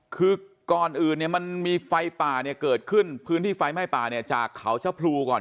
คือก่อนอื่นมันมีไฟป่าเกิดขึ้นพื้นที่ไฟไม่ป่าจากเขาเช้าพลูก่อน